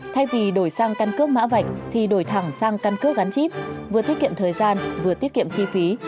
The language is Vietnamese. thay vì đổi sang căn cước mã vạch thì đổi thẳng sang căn cước gắn chip vừa tiết kiệm thời gian vừa tiết kiệm chi phí